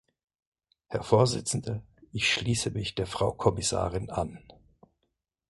Herr Vorsitzender, ich schließe mich der Frau Kommissarin an.